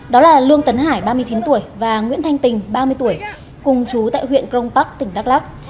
đó là lương tấn hải ba mươi chín tuổi và nguyễn thanh tình ba mươi tuổi cùng chú tại huyện cron park tỉnh đắk lắc